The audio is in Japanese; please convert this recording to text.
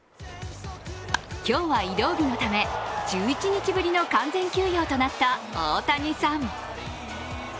今日は移動日のため、１１日ぶりの完全休養となった大谷さん。